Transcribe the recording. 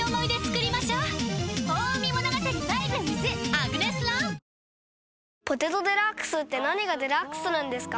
ハロー「ポテトデラックス」って何がデラックスなんですか？